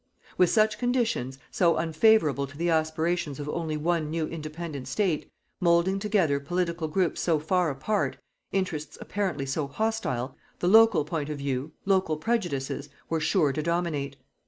With such conditions, so unfavourable to the aspirations of only one new Independent State, moulding together political groups so far apart, interests apparently so hostile, the local point of view, local prejudices, were sure to dominate.